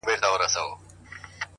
• تر قیامته خو دي نه شم غولولای,